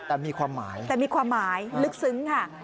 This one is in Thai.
แต่มีความหมายแต่มีความหมายลึกซึ้งค่ะ